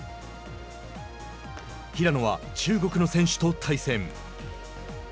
平野は中国の選手と対戦。